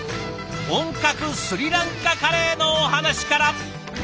本格スリランカカレーのお話から。